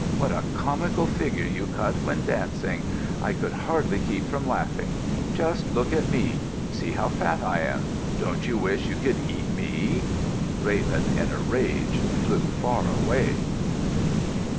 What a comical figure you cut when dancing! I could hardly keep from laughing. Just look at me see how fat I am. Don't you wish you could eat me?" Raven, in a rage, flew far away.